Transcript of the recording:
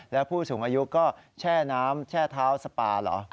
แล้วผู้สูงอายุก็แช่น้ำแช่เท้าสปาเหรอ